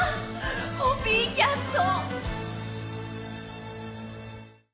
コピーキャット。